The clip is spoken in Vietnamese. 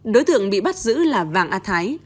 đối tượng bị bắt giữ là vàng a thái